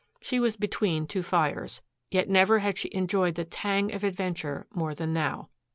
She was between two fires, yet never had she enjoyed the tang of adventure more than now.